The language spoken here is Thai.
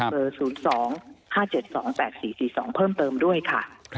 ๐๒๕๗๒๘๔๔๒เพิ่มเติมด้วยค่ะ